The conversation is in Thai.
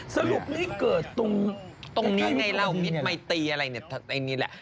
สรุปนี่เกิดตรงนี้ในเหล้ามิตรไมตีอะไรเนี่ยไอ้นี่แหละ